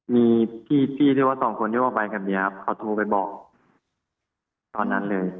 มีพี่ที่ว่าสองคนที่ว่าไปกับเมียครับเขาโทรไปบอกตอนนั้นเลย